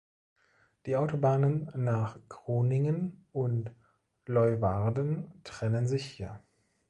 Die Autobahnen nach Groningen und Leeuwarden trennen sich hier.